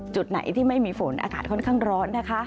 จุดไหนที่ไม่มีฝนอากาศค่อนข้างร้อนนะคะ